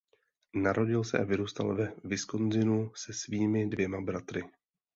Narodil se a vyrůstal ve Wisconsinu se svými dvěma bratry.